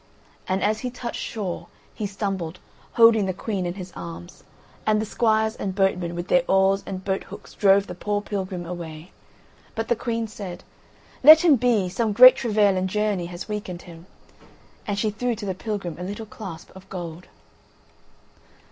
And as he touched shore, he stumbled, holding the Queen in his arms; and the squires and boatmen with their oars and boat hooks drove the poor pilgrim away. But the Queen said: "Let him be; some great travail and journey has weakened him." And she threw to the pilgrim a little clasp of gold.